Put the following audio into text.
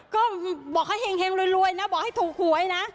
ก็บอกให้เห็งรวยนะบอกให้ถูกหวยนะ